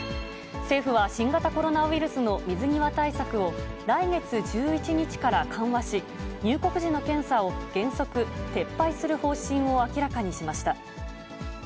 政府は新型コロナウイルスの水際対策を、来月１１日から緩和し、入国時の検査を原則、撤廃する方針を明らかにしました。